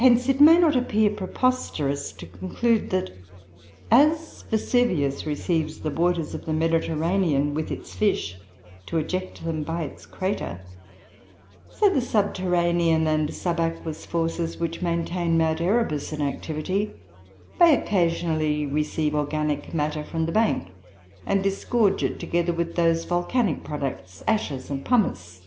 Hence it may not appear preposterous to conclude that, as Vesuvius receives the waters of the Mediterranean, with its fish, to eject them by its crater, so the subterranean and subaqueous forces which maintain Mount Erebus in activity may occasionally receive organic matter from the bank, and disgorge it, together with those volcanic products, ashes and pumice.